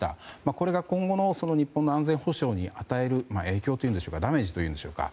これが今後の日本の安全保障に与える影響というんでしょうかダメージというんでしょうか。